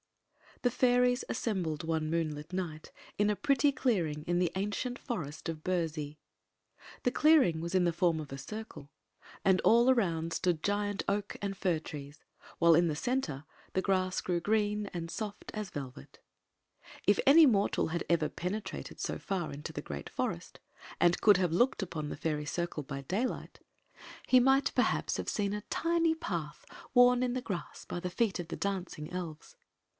The fairies assembled one moonlit night in a pretty clearing of the ancient forest of Burzee. The clearing was in the form of a circle, and all around stood giant oak and fir trees, while in the center the grass grew green and soft as velvet If any mortal had ever penetrated so far into the great forest, and cculd have looked upon the fairy circle by daylight, he iright perhaps have seen a tiny path worn in the grass by the feec of the dancing elves.